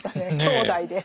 兄弟で。